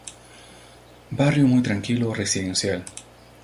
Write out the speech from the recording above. Barrio muy tranquilo, residencial.